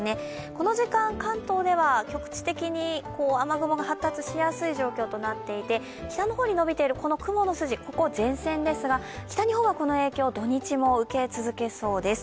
この時間、関東では局地的に雨雲が発達しやすい状況となっていて、北の方に伸びている雲の筋、これ、前線ですが北日本はこの影響を土日も受け続けそうです。